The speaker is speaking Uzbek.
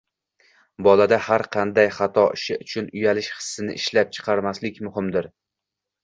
bolada har qanday xato ishi uchun uyalish hissini ishlab chiqarmaslik muhimdir.